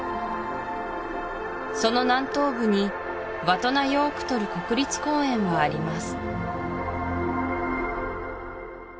その南東部にヴァトナヨークトル国立公園はあります